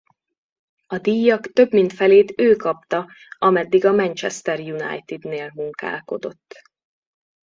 A díjjak több mint felét ő kapta ameddig a Manchester United-nél munkálkodott.